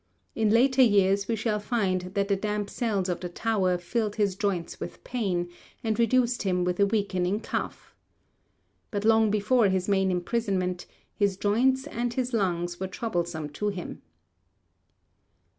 In later years we shall find that the damp cells of the Tower filled his joints with pain, and reduced him with a weakening cough. But long before his main imprisonment his joints and his lungs were troublesome to him.